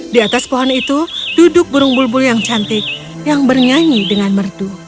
di atas pohon itu duduk burung bulbul yang cantik yang bernyanyi dengan mertu